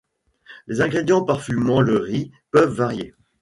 Les ingrédients parfumant le riz peuvent varier.